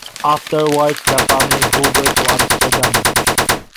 Afterwards the family Huber to Amsterdam.